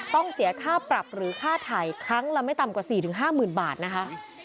ต้องเสียค่าปรับหรือค่าถ่ายครั้งละไม่ต่ำกว่า๔๕๐๐๐บาทนะคะ